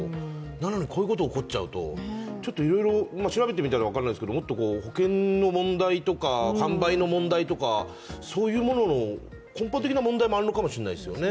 なのにこういうことが起こっちゃうと、調べてみたら分からないですけどもっと保険の問題とか、販売の問題とか、そういうものの根本的な問題もあるのかもしれないですよね。